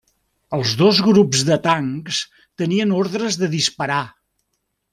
Els dos grups de tancs tenien ordres de disparar.